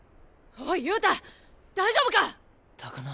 おい憂太大丈夫か⁉高菜。